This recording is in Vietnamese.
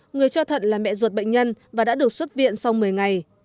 người cho thận là mẹ ruột bệnh nhân và đã được xuất viện sau một mươi ngày